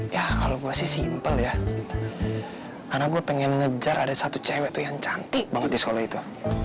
ya kalau gue sih simpel ya karena gue pengen ngejar ada satu cewek tuh yang cantik banget di solo itu